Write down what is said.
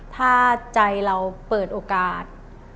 ถ้าใจเราเปิดโอกาส